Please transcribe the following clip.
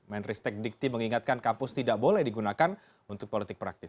menristek dikti mengingatkan kampus tidak boleh digunakan untuk politik praktis